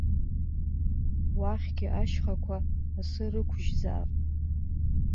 Уахьгьы ашьхақәа асы рықәжьзаап.